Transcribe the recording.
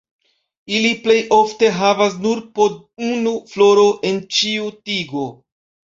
Ili plej ofte havas nur po unu floro en ĉiu tigo.